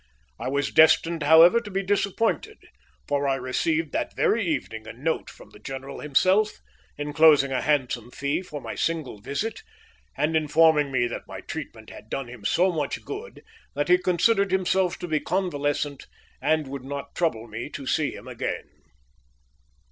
I was destined, however, to be disappointed, for I received that very evening a note from the general himself, enclosing a handsome fee for my single visit, and informing me that my treatment had done him so much good that he considered himself to be convalescent, and would not trouble me to see him again.